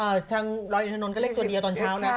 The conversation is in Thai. รอยแห่งถนนก็เล็กตัวเดียวตอนเช้านะ